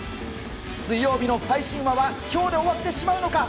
水曜日の不敗神話は今日で終わってしまうのか。